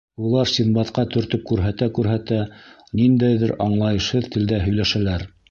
Улар Синдбадҡа төртөп күрһәтә-күрһәтә, ниндәйҙер аңлайышһыҙ телдә һөйләшәләр.